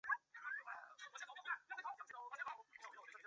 如意草为堇菜科堇菜属的植物。